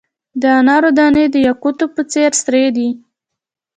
د انارو دانې د یاقوتو په څیر سرې دي.